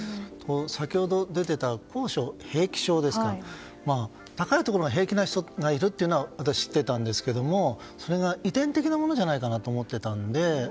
先ほど出ていた高所平気症ですか高いところが平気な人がいるのは私、知ってたんですけども遺伝的なものじゃないかと思ってたので。